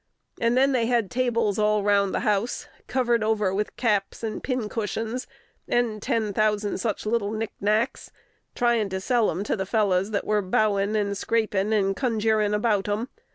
And then they had tables all round the house kivered over with [] caps, and pincushions, and ten thousand such little knick knacks, tryin' to sell'em to the fellows that were bowin' and scrapin' and kungeerin' about'em.